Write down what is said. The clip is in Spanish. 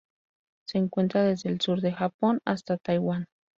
Se encuentra desde el sur de Japón hasta Taiwán.